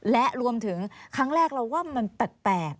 และรวมถึงครั้งแรกเราว่ามันแปลก